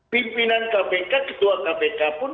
pimpinan kpk ketua kpk pun